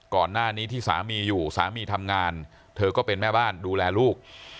ก่อนหน้านี้ที่สามีอยู่สามีทำงานเธอก็เป็นแม่บ้านดูแลลูก